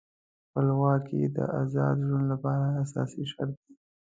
خپلواکي د آزاد ژوند لپاره اساسي شرط دی.